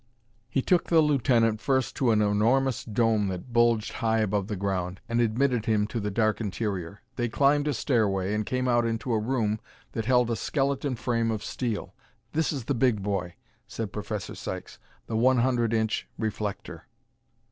He took the lieutenant first to an enormous dome that bulged high above the ground, and admitted him to the dark interior. They climbed a stairway and came out into a room that held a skeleton frame of steel. "This is the big boy," said Professor Sykes, "the one hundred inch reflector."